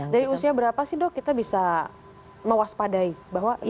dari usia berapa sih dok kita bisa mewaspadai bahwa